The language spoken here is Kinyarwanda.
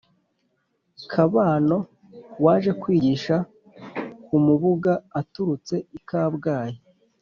kabano waje kwigisha ku mubuga aturutse i kabgayi,